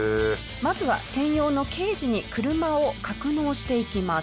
まずは専用のケージに車を格納していきます。